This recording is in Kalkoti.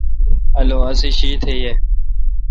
اولو اسی شیشت یہ۔